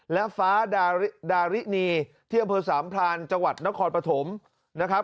และฟ้าดารินีที่อำเภอสามพรานจังหวัดนครปฐมนะครับ